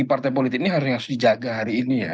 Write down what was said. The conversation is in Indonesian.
jadi partai politik ini harusnya harus dijaga hari ini ya